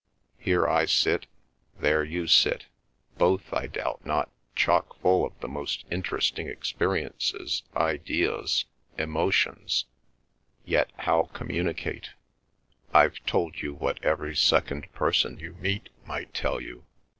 Here I sit; there you sit; both, I doubt not, chock full of the most interesting experiences, ideas, emotions; yet how communicate? I've told you what every second person you meet might tell you."